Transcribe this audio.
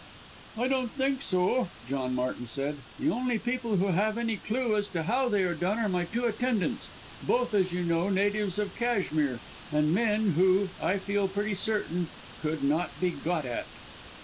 "I don't think so," John Martin said. "The only people who have any clue as to how they are done are my two attendants both as you know natives of Cashmere, and men who, I feel pretty certain, could not be 'got at.'"